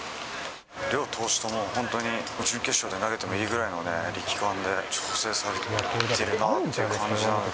両投手とも、本当に準決勝で投げてもいいぐらいのね、力感で、調整されてるなという感じ。